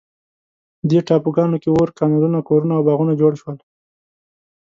دې ټاپوګانو کې اور، کانالونه، کورونه او باغونه جوړ شول.